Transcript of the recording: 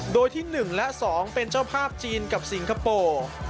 โดยที่๑และ๒เป็นเจ้าภาพจีนกับสิงคโปร์